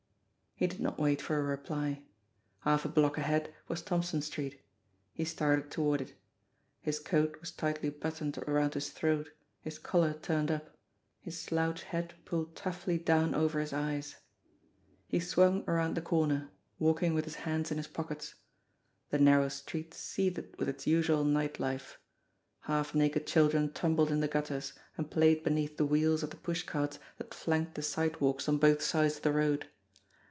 He did not wait for a reply. Half a block ahead was Thompson Street. He started toward it. His coat was tightly buttoned around his throat, his collar turned up, his slouch hat pulled toughly down over his eyes. 22$ A TAPPED WIRE 229 He swung around the corner, walking with his hands in his pockets. The narrow street seethed with its usual night life. Half naked children tumbled in the gutters, and played beneath the wheels of the pushcarts that flanked the side walks on both sides of the road.